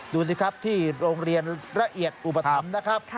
ดูสิครับที่โรงเรียนละเอียดอุปสรรค์